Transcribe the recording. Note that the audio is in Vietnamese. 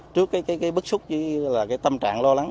trước cái bức xúc với là cái tâm trạng lo lắng